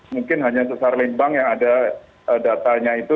mungkin hanya sesar lembang yang ada datanya itu